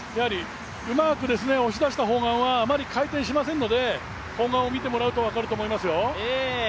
うまく押し出した砲丸はあまり回転しませんので、砲丸を見てもらうと分かると思いますよ。